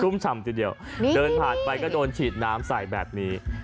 ฉ่ำทีเดียวเดินผ่านไปก็โดนฉีดน้ำใส่แบบนี้